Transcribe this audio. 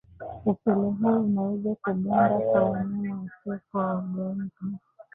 upele huo unaweza kuganda kwa wanyama wasiokuwa wagonjwa